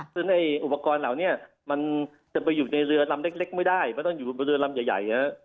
ซึ่งไอ้อุปกรณ์เหล่านี้มันจะไปอยู่ในเรือลำเล็กไม่ได้มันต้องอยู่เรือลำใหญ่